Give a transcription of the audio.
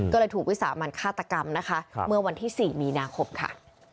ก็เลยถูกวิสามันฆาตกรรมนะคะเมื่อวันที่๔มีนาคมค่ะ